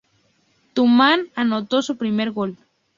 Tumán anotó su primer gol.